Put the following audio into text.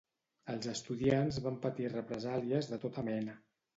Els estudiants van patir represàlies de tota mena.